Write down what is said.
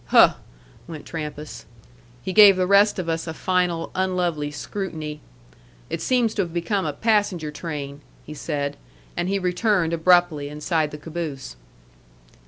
"Huh!" went Trampas. He gave the rest of us a final unlovely scrutiny. "It seems to have become a passenger train," he said. And he returned abruptly inside the caboose.